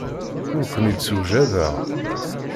Ur ken-id-ssewjadeɣ.